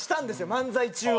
漫才中は。